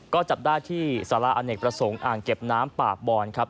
ก็จับได้ที่สาระอเนกประสงค์อ่างเก็บน้ำปากบอนครับ